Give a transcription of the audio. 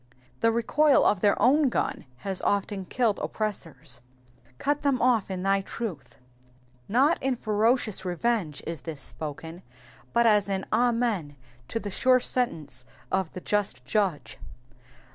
The recoil of their own gun has often killed oppressors. ^^Cut them off in thy truth,"* ^ Not in ferocious revenge is this spoken, but as an Amen to the sure sentence of the just Judge.